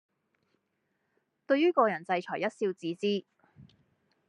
對於個人制裁一笑置之